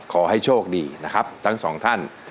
ขอให้โชคดีนะครับทั้งสองท่าน